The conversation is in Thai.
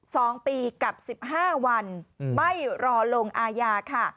สองปีกับสิบห้าวันอืมไม่รอลงอาญาค่ะ